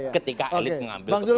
ketika elit mengambil keputusan